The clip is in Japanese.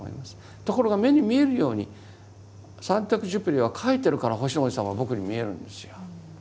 ところが目に見えるようにサン・テグジュペリは書いてるから星の王子様は僕に見えるんですよ。